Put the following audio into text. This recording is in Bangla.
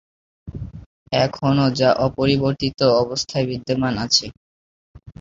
এখনো যা অপরিবর্তিত অবস্থায় বিদ্যমান আছে।